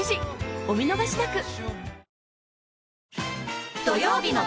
お見逃しなく！